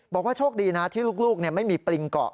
บอกว่าโชคดีนะที่ลูกไม่มีปริงเกาะ